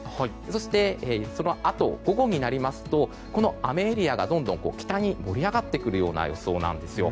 そして、そのあと午後になりますと、雨エリアがどんどん北に盛り上がってくる予想なんですよ。